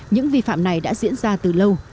những vi phạm này đã diễn ra từ lâu